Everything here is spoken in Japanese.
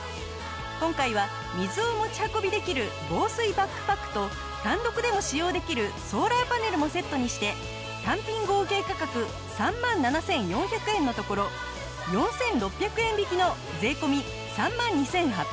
今回は水を持ち運びできる防水バックパックと単独でも使用できるソーラーパネルもセットにして単品合計価格３万７４００円のところ４６００円引きの税込３万２８００円。